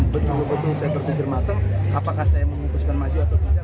betul betul saya berpikir matang apakah saya memutuskan maju atau tidak